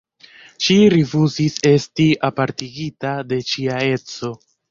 Ŝi rifuzis esti apartigita de ŝia edzo.